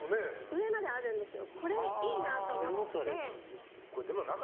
上まであるんですよ。